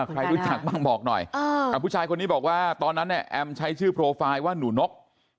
ใครรู้จักบ้างบอกหน่อยผู้ชายคนนี้บอกว่าตอนนั้นเนี่ยแอมใช้ชื่อโปรไฟล์ว่าหนูนก